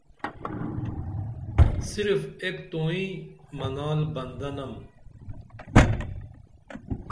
صرف ایک توئیں منال بندہ نم